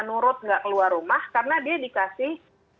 nurut nggak keluar rumah karena dia dikasih